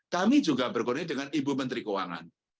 kami juga berkoordinasi dengan ibu menteri keuangan